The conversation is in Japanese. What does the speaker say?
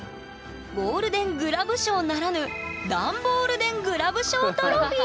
ゴールデン・グラブ賞ならぬダンボールデン・グラブ賞トロフィー！